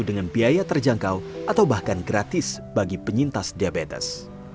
dengan biaya terjangkau atau bahkan gratis bagi penyintas diabetes